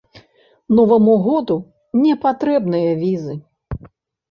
Новаму году не патрэбныя візы.